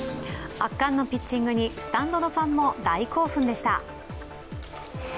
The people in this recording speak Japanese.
圧巻のピッチングにスタンドのファンも大興奮でした。